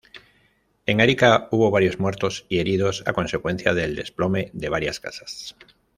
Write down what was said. En Arica hubo varios muertos y heridos a consecuencia del desplome de varias casas.